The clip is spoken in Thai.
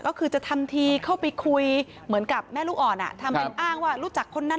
ก็คือจะทำทีเข้าไปคุยเหมือนกับแม่ลูกอ่อนทำเป็นอ้างว่ารู้จักคนนั้น